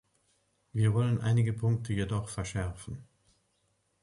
Wir wollen einige Punkte jedoch verschärfen.